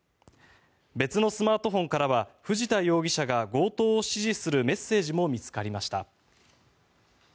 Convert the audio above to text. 別のスマートフォンからは藤田容疑者が強盗を指示するメッセージも見つかりました。